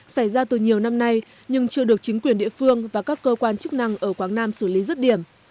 xảy ra từ nhiều năm nay nhưng chưa được chính quyền địa phương và các cơ quan chức năng ở quảng nam xử lý rứt điểm